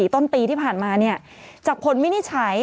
ต้นปีที่ผ่านมาจากผลวินิจฉัย